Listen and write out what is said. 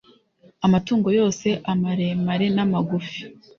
amatungo yose amaremare n’amagufi